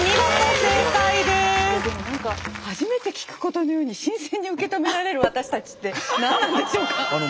いやでも何か初めて聞くことのように新鮮に受け止められる私たちって何なんでしょうか。